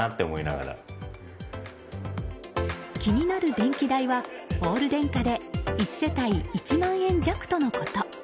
気になる電気代はオール電化で１世帯１万円弱とのこと。